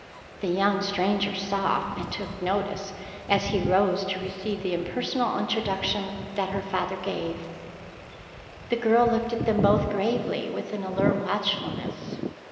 The young stranger saw and took notice as he rose to receive the impersonal introduction that her father gave. The girl looked at them both gravely, with an alert watchfulness.